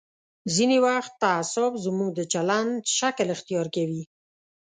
ځینې وخت تعصب زموږ د چلند شکل اختیار کوي.